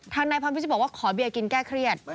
นายพรพิชิตบอกว่าขอเบียร์กินแก้เครียด